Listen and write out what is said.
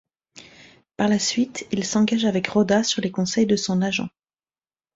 Par la suite, il s'engage avec Roda sur les conseils de son agent.